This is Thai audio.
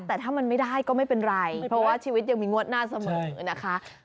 แต่ถ้ามันไม่ได้ก็ไม่เป็นไรเพราะว่าชีวิตยังมีงวดหน้าเสมอนะคะ